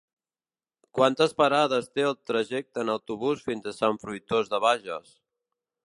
Quantes parades té el trajecte en autobús fins a Sant Fruitós de Bages?